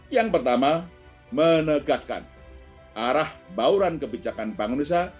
yang pertama menegaskan arah bauran kebijakan bank indonesia